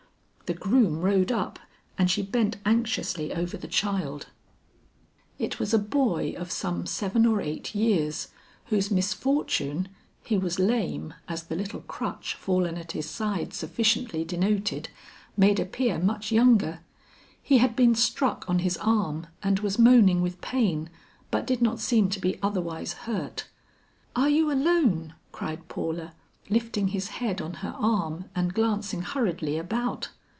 The groom rode up and she bent anxiously over the child. It was a boy of some seven or eight years, whose misfortune he was lame, as the little crutch fallen at his side sufficiently denoted made appear much younger. He had been struck on his arm and was moaning with pain, but did not seem to be otherwise hurt. "Are you alone?" cried Paula, lifting his head on her arm and glancing hurriedly about.